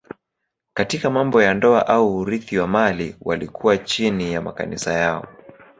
Katika mambo ya ndoa au urithi wa mali walikuwa chini ya makanisa yao.